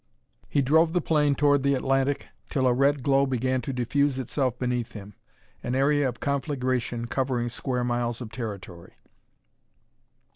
He drove the plane toward the Atlantic till a red glow began to diffuse itself beneath him, an area of conflagration covering square miles of territory.